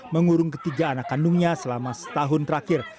mengurung ketiga anak kandungnya selama setahun terakhir